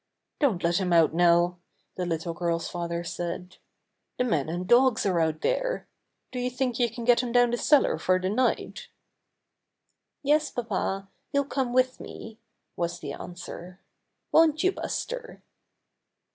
'^Don't let him out, Nell," the little girl's father said. ''The men and dogs are out there. Do you think you can get him down the cellar for the night?" "Yes, papa, he'll come with me," was the answer. "Won't you, Buster?"